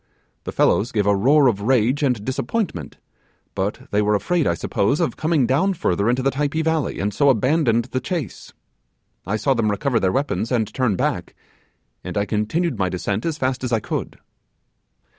The fellows gave a roar of rage and disappointment; but they were afraid, I suppose, of coming down further into the Typee valley, and so abandoned the chase. I saw them recover their weapons and turn back; and I continued my descent as fast as I could.